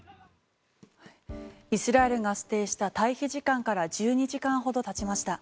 イスラエルが指定した退避時間から１２時間ほど経ちました。